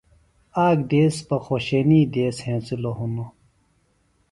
آک دیس بہ خوشینی دیس ہینسِلوۡ ہِنوۡ